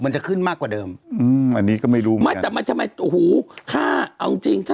จริงก็ไม่ให้นะ